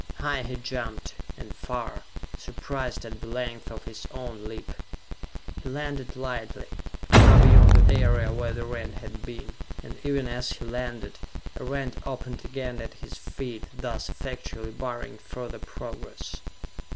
High he jumped, and far, surprised at the length of his own leap. He landed lightly, far beyond the area where the rent had been, and even as he landed, a rent opened again at his feet, thus effectually barring further progress!